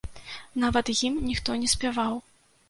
Нават гімн ніхто не спяваў.